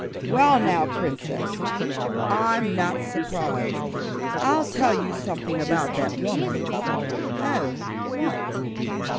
"Well, now, Princess, I'm not surprised. I'll tell you something about that woman." "Oh, what?"